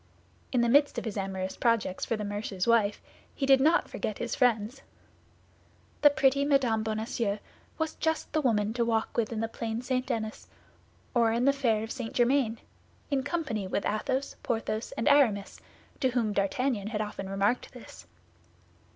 In the midst of his amorous projects for the mercer's wife, he did not forget his friends. The pretty Mme. Bonacieux was just the woman to walk with in the Plain St. Denis or in the fair of St. Germain, in company with Athos, Porthos, and Aramis, to whom D'Artagnan had often remarked this.